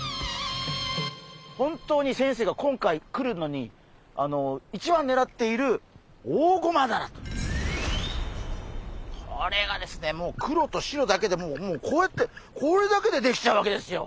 本当に先生が今回来るのにこれがですねもう黒と白だけでもうこうやってこれだけでできちゃうわけですよ。